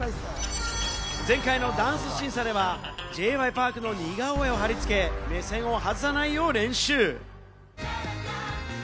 前回のダンス審査では、Ｊ．Ｙ．Ｐａｒｋの似顔絵を貼り付け、目線を外さないよう練習。